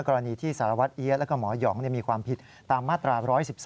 กรณีที่สารวัตรเอี๊ยดแล้วก็หมอหยองมีความผิดตามมาตรา๑๑๒